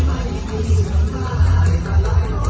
มันเป็นเมื่อไหร่แล้ว